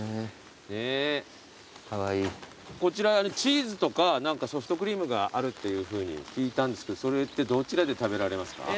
こちらチーズとか何かソフトクリームがあるっていうふうに聞いたんですけどそれってどちらで食べられますか？